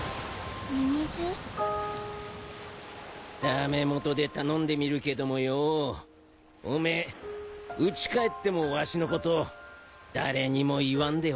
駄目元で頼んでみるけどもよおめえうち帰ってもわしのこと誰にも言わんでほしいんだ